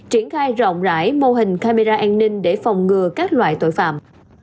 triển khai rộng rãi mô hình camera an ninh để phòng ngừa các loại tội phạm